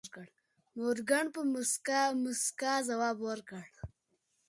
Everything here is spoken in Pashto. مورګان په موسکا ځواب ورکړ.